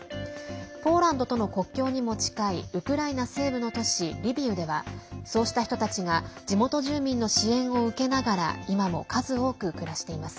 ポーランドとの国境にも近いウクライナ西部の都市リビウではそうした人たちが地元住民の支援を受けながら今も数多く暮らしています。